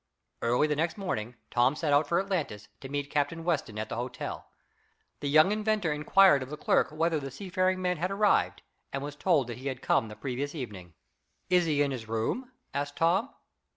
Early the next morning Tom set out for Atlantis, to meet Captain Weston at the hotel. The young inventor inquired of the clerk whether the seafaring man had arrived, and was told that he had come the previous evening. "Is he in his room?" asked Tom.